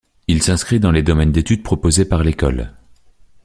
Il s'inscrit dans les domaines d'études proposés par l'école.